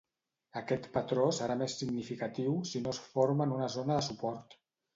Aquest patró serà més significatiu si no es forma en una zona de suport.